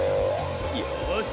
よし！